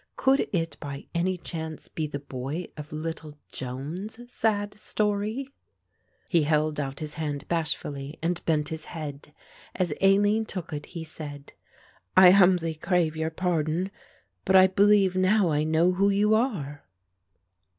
Could it by any chance be the boy of little Joan's sad story? He held out his hand bashfully, and bent his head. As Aline took it he said; "I humbly crave your pardon, but I believe now I know who you are."